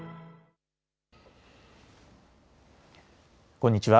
こんにちは。